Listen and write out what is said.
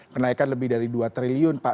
kenaikan lebih dari dua triliun pak